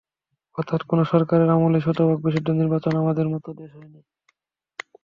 অর্থাৎ কোনো সরকারের আমলেই শতভাগ বিশুদ্ধ নির্বাচন আমাদের মতো দেশে হয়নি।